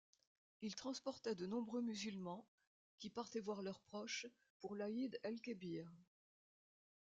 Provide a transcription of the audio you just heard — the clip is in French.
Il transportait de nombreux musulmans qui partaient voir leurs proches pour l'Aïd el-Kebir.